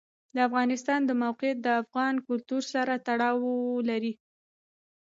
د افغانستان د موقعیت د افغان کلتور سره تړاو لري.